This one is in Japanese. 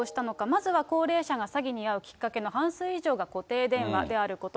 まずは高齢者が詐欺に遭うきっかけの半数以上が固定電話であること。